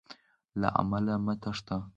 له علمه مه تښته.